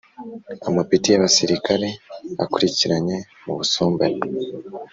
Amapeti y abasirikare akurikiranye mu busumbane